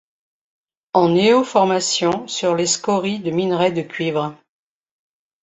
En néoformation sur les scories de minerais de cuivre.